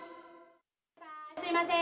すみません。